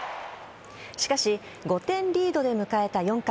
しかし、５点リードで迎えた４回。